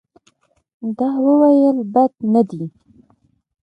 ده وویل بد نه دي.